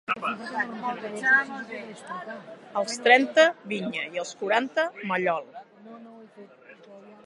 Als trenta, vinya, i als quaranta, mallol.